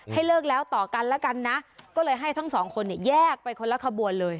เลิกแล้วต่อกันแล้วกันนะก็เลยให้ทั้งสองคนเนี่ยแยกไปคนละขบวนเลย